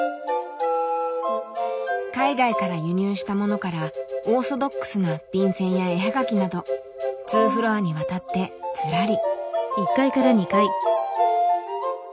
海外から輸入したものからオーソドックスな便せんや絵はがきなど２フロアにわたってずらり。